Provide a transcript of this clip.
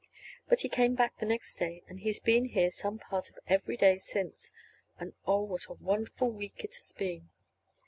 But he came back the next day, and he's been here some part of every day since. And, oh, what a wonderful week it has been!